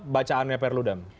bacaannya perlu dam